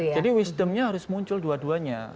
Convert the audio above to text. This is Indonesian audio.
jadi wisdomnya harus muncul dua duanya